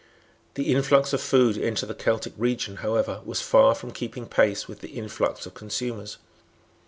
The influx of food into the Celtic region, however, was far from keeping pace with the influx of consumers.